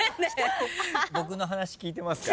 僕の話聞いてますか？